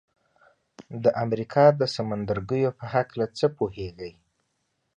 د امریکا د سمندرګیو په هکله څه پوهیږئ؟